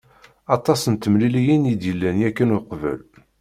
Aṭas n temliliyin i d-yellan yakan uqbel.